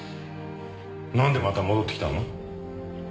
なんでまた戻ってきたの？